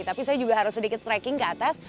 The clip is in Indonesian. tapi saya juga harus sedikit tracking ke atas